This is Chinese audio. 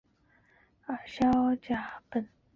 二硝基苯酚